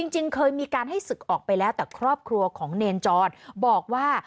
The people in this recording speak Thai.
จริงเคยมีการให้ศึกออกไปแล้วแต่ครอบครัวของเนรจรบอกว่า